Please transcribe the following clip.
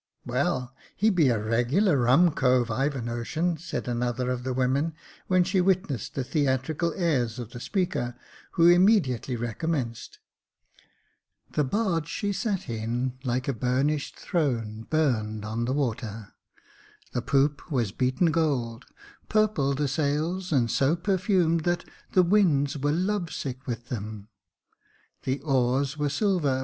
*' Well, he be a reg'lar rum cove, I've a notion," said another of the women, when she witnessed the theatrical airs of the speaker, who immediately recommenced —" The barge she sat in, like a burnish'd throne, Burn'd on the water — the poop was beaten gold, Purple the sails, and so perfumed that The winds were love sick with them ; the oars were silver.